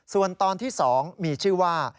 ส่วนตอนที่๒มีชื่อว่า